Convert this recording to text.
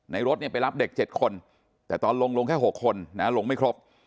รถไปรับเด็ก๗คนแต่ตอนลงลงแค่๖คนลงไม่ครบ